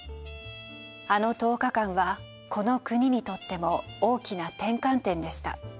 あの１０日間はこの国にとっても大きな転換点でした。